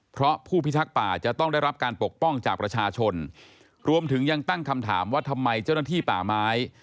เพราะผู้พิทักษ์ป่าจะต้องได้รับการปกป้องจากประชาชนรวมถึงยังตั้งคำถามว่าทำไมเจ้าหน้าที่ป่าไม้